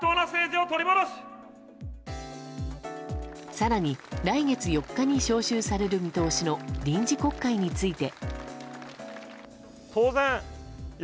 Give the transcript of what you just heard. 更に、来月４日に召集される見通しの臨時国会について。